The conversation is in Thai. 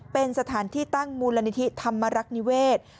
เป็นสถานที่ตั้งมูลนิธิธรรมรักษ์นิเวศ